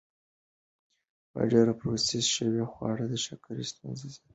ډېر پروسس شوي خواړه د شکرې ستونزې زیاتوي.